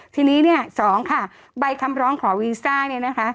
ทีนี้เนี่ยสองค่ะใบคำร้องขอวีซ่าเนี่ยนะคะ